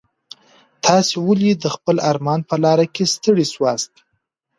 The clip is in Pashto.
تاسي ولي د خپل ارمان په لاره کي ستړي سواست؟